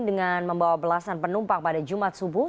dengan membawa belasan penumpang pada jumat subuh